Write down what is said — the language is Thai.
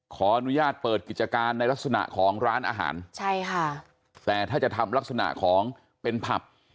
ขออนุญาตเปิดกิจการในลักษณะของร้านอาหารใช่ค่ะแต่ถ้าจะทำลักษณะของเป็นผับ